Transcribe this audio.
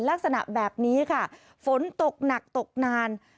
ลักษณะแบบนี้ค่ะฝนตกหนักตกนาน